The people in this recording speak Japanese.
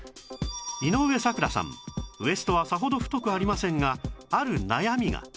井上咲楽さんウエストはさほど太くありませんがある悩みが